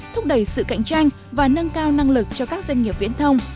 thúc đẩy sự cạnh tranh và nâng cao năng lực cho các doanh nghiệp viễn thông